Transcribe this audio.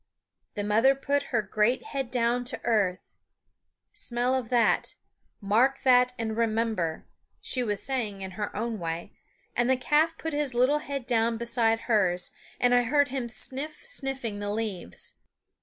The mother put her great head down to earth "Smell of that; mark that, and remember," she was saying in her own way; and the calf put his little head down beside hers, and I heard him sniff sniffing the leaves.